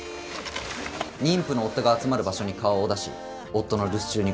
妊婦の夫が集まる場所に顔を出し夫の留守中に強盗を行う。